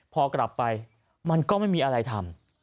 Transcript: พอกลับไปมันก็ไม่มีอะไรทำ